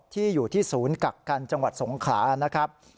ที่อยู่ที่ศูนย์กักกันจังหวัดสงขลานะครับ